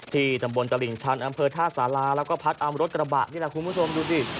ตำบลตลิ่งชันอำเภอท่าสาราแล้วก็พัดอำรถกระบะนี่แหละคุณผู้ชมดูสิ